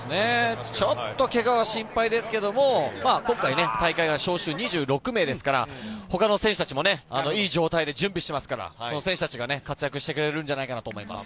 ちょっとけが人が心配ですが今回、大会が招集２６名ですから他の選手たちもいい状態で準備しているので選手たちが活躍してくれるんじゃないかなと思います。